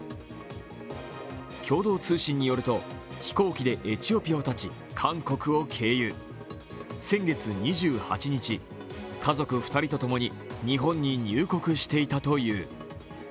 共同通信によると飛行機でエチオピアを発ち、先月２８日家族２人で日本に入国していたという。